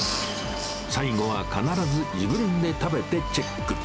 最後は必ず自分で食べてチェック。